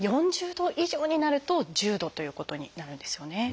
４０度以上になると「重度」ということになるんですよね。